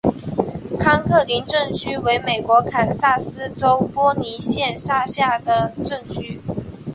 康克林镇区为美国堪萨斯州波尼县辖下的镇区。